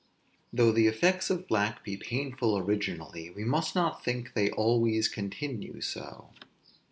Though the effects of black be painful originally, we must not think they always continue so.